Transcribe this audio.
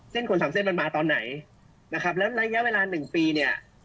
คนสามเส้นมันมาตอนไหนนะครับแล้วระยะเวลาหนึ่งปีเนี่ย